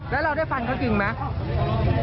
แล้วเราได้ฟันเขาจริงไหม